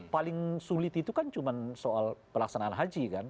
paling sulit itu kan cuma soal pelaksanaan haji kan